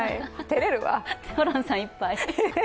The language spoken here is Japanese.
ホランさんいっぱい。